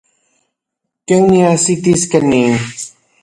¿Ken niajsitis kanin?